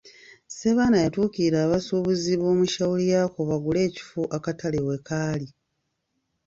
Ssebaana yatuukirira abasuubuzi b’omu Shauriyako bagule ekifo akatale we kaali.